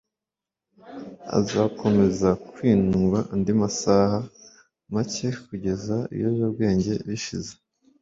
Azakomeza kwinuba andi masaha make kugeza ibiyobyabwenge bishize.